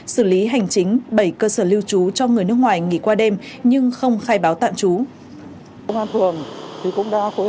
xử lý hành chính bảy cơ sở lưu trú cho người nước ngoài nghỉ qua đêm nhưng không khai báo tạm trú